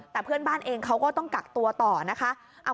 แต่เพื่อนบ้านเองเขาก็ต้องกักตัวต่อนะคะ